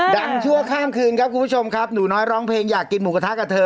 ชั่วข้ามคืนครับคุณผู้ชมครับหนูน้อยร้องเพลงอยากกินหมูกระทะกับเธอ